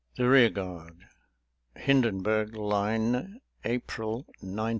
_ THE REAR GUARD (Hindenburg Line, April 1917.)